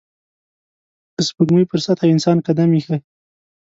د سپوږمۍ پر سطحه انسان قدم ایښی